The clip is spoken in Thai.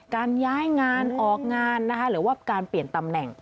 การย้ายงานออกงานนะคะหรือว่าการเปลี่ยนตำแหน่ง